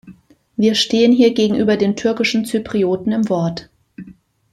Wir stehen hier gegenüber den türkischen Zyprioten im Wort.